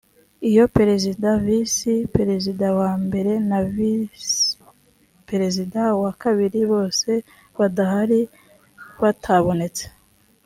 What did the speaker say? iyo perezida visi perezida wa mbere na visiperezida wa kabiri bose badahari batabonetse